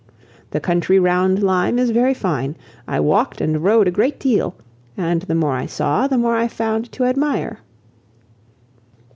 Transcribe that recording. The country round Lyme is very fine. I walked and rode a great deal; and the more I saw, the more I found to admire."